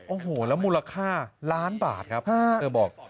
โอ้โหแล้วมูลค่าล้านบาทครับเธอบอก